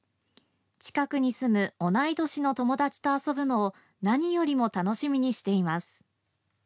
近くに住む同い年の友達と遊ぶのを何よりも楽しみにしています。